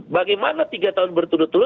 bagaimana tiga tahun bertulut tulut